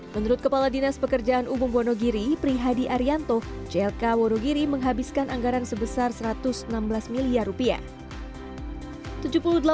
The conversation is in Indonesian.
menurut kepala dinas pekerjaan umum wonogiri prihadi arianto jlk wonogiri menghabiskan anggaran sebesar satu ratus enam belas miliar rupiah